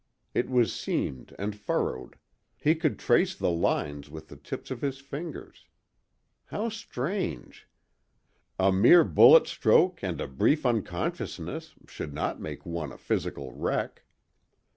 It was seamed and furrowed; he could trace the lines with the tips of his fingers. How strange!—a mere bullet stroke and a brief unconsciousness should not make one a physical wreck.